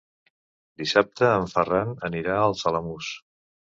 Dissabte en Ferran anirà als Alamús.